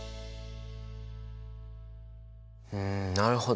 うんなるほど。